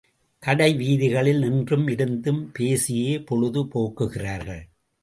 கடை வீதிகளில் நின்றும் இருந்தும் பேசியே பொழுது போக்குகிறார்கள்.